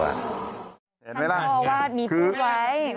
ท่านพ่อว่ามีพูดไว้